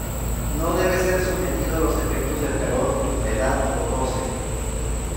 No debe ser sometido a los efectos del calor, humedad o roce.